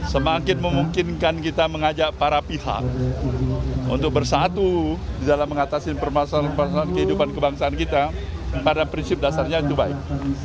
semakin memungkinkan kita mengajak para pihak untuk bersatu dalam mengatasi permasalahan permasalahan kehidupan kebangsaan kita pada prinsip dasarnya itu baik